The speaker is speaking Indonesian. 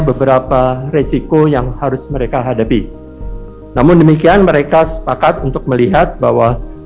beberapa resiko yang harus mereka hadapi namun demikian mereka sepakat untuk melihat bahwa